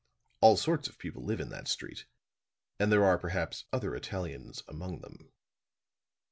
All sorts of people live in that street, and there are perhaps other Italians among them."